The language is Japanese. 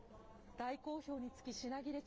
大好評につき、品切れ中。